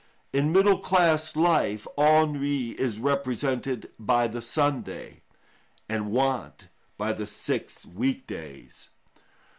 In middle class life ennui is represented by the Sunday, and want by the six week days.